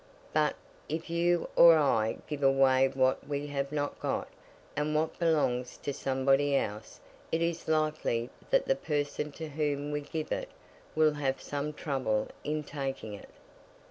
But, if you or I give away what we have not got, and what belongs to somebody else, it is likely that the person to whom we give it, will have some trouble in taking it.